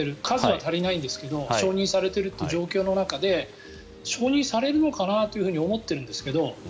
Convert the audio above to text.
数は足りないんですが承認されているという状況の中で承認されるのかなと思っているんですけど。